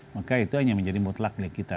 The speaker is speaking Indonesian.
maka itu hanya menjadi mutlak milik kita